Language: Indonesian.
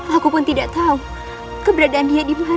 aku pun tidak tahu keberadaannya dimana